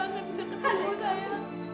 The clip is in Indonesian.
senang banget bisa ketemu saya